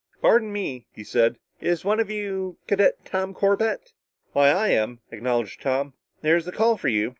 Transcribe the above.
"Pardon me," he said. "Is one of you Cadet Tom Corbett?" "Why I am," acknowledged Tom. "There's a call for you.